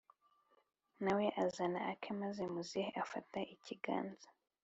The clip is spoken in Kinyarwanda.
nawe azana ake maze muzehe afata ikiganza